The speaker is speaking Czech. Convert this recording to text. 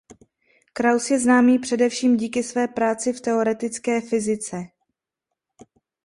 Krauss je známý především díky své práci v teoretické fyzice.